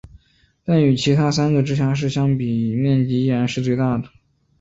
但与其他三个直辖市相比面积依然是最大的。